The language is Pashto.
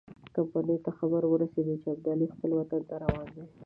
کمپنۍ ته خبر ورسېد چې ابدالي خپل وطن ته روان دی.